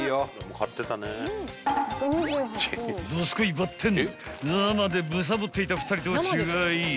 ［どすこいばってん生でむさぼっていた２人とは違い］